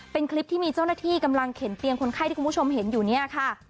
เป็นคลิปที่มีเจ้าหน้าที่กำลังเข็นเตียงคนไข้ที่คุณผู้ชมเห็นอยู่เนี่ยค่ะ